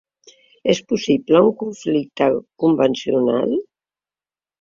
És possible un conflicte convencional?